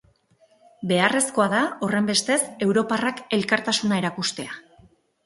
Beharrezkoa da, horrenbestez, europarrak elkartasuna erakustea.